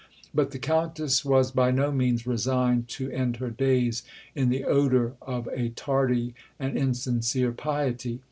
But the Countess was, by no means, resigned to end her days in the odour of a tardy and insincere piety.